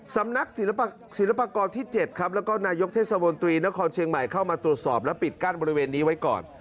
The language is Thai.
สำนักศิลปากรที่๗ครับแล้วก็นายกเทศบนตรีนครเชียงใหม่เข้ามาตรวจสอบและปิดกั้นบริเวณนี้ไว้ก่อน